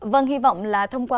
vâng hy vọng là thông qua